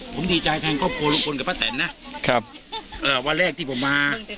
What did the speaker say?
ผมดีใจแทนครอบครัวลุงพลกับป้าแตนนะครับเอ่อวันแรกที่ผมมา